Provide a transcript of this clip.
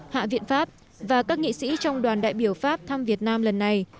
hạ viện pháp và các nghị sĩ trong đoàn đại biểu pháp thăm việt nam lần này